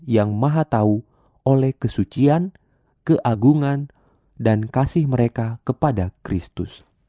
yang maha tahu oleh kesucian keagungan dan kasih mereka kepada kristus